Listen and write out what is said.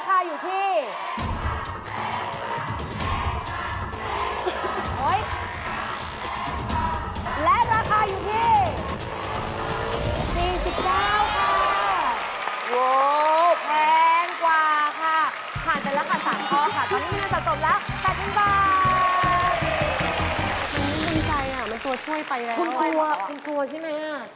คุณกลัวใช่มั้ย